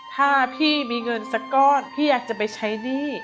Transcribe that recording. ถ้าพี่มีเงินสักก้อนพี่อยากจะไปใช้หนี้